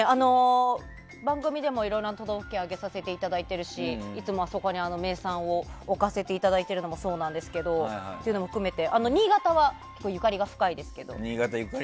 番組でもいろいろな都道府県を挙げさせていただいてるしいつもあそこに名産を置かせていただいているのもそうなんですけど新潟はゆかりが深いですけど。